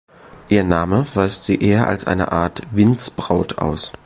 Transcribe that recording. Ihr Name weist sie eher als eine Art „Windsbraut“ aus.